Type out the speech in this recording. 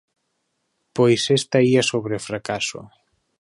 Pois esta ía sobre o fracaso.